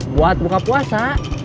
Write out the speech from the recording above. buat buka puasa